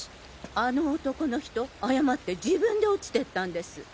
あの男の人あやまって自分で落ちてったんです。